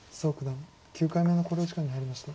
蘇九段９回目の考慮時間に入りました。